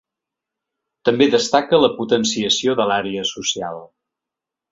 També destaca la potenciació de l’àrea social.